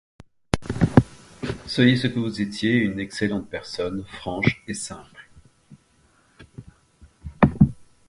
Soyez ce que vous étiez, une excellente personne franche et simple.